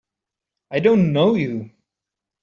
I don't know you!